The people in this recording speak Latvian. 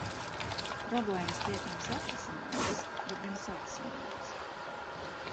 Problēmas tiek nevis atrisinātas, bet gan saasinātas.